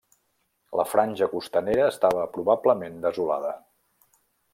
La franja costanera estava probablement desolada.